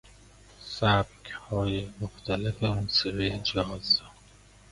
سبک های مختلف موسیقی جاز